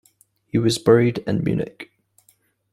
He was buried in Munich.